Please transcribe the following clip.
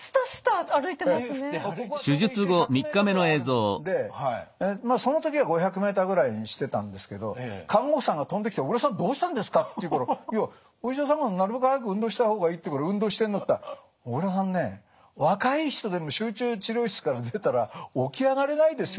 ここはちょうど１周１００ｍぐらいあるんでまあその時は５００ｍぐらいにしてたんですけど看護師さんが飛んできて「小倉さんどうしたんですか」って言うから「いやお医者さんがなるべく早く運動した方がいいって言うから運動してんだ」って言ったら「小倉さんね若い人でも集中治療室から出たら起き上がれないですよ」って言うわけ。